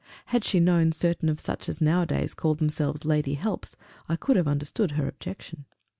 Had she known certain of such as nowadays call themselves lady helps, I could have understood her objection.